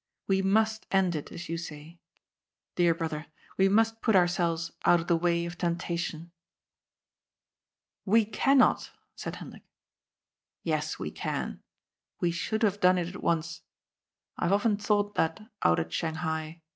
We must end it, as you say. Dear brother, we must put ourselves out of the way of temptation." 346 GOD'S POOL. " We cannot," said Hendrik. ^' Yes, we can. We should have done it at once. I have often thought that out at Shanghai.